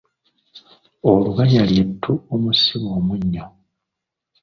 Olubaaya ly’ettu omusibwa omunnyo.